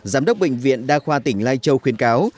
giám đốc bệnh viện đa khoa tỉnh lai châu khuyến cáo